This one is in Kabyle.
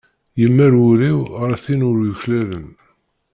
Yemmal wul-iw ɣer tin ur yuklalen.